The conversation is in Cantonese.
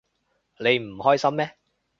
你唔開心咩？